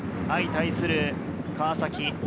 相対する川崎。